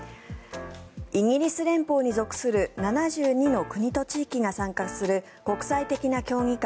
イギリス連邦に属する７２の国と地域が参加する国際的な競技会